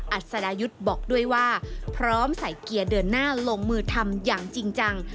อัศดายุทธ์บอกด้วยว่าพร้อมใส่เกียร์เดินหน้าลงมือทำอย่างจริงจัง